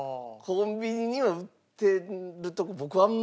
コンビニには売ってるとこ僕はあんまり。